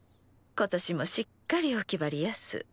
今年もしっかりおきばりやす。